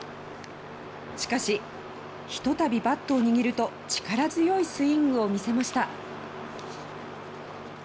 しかし、一度バットを握ると力強いスイングを見せました。